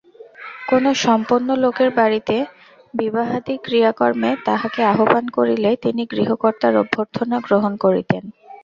কোনো সম্পন্ন লোকের বাড়িতে বিবাহাদি ক্রিয়াকর্মে তাঁহাকে আহ্বান করিলে তিনি গৃহকর্তার অভ্যর্থনা গ্রহণ করিতেন।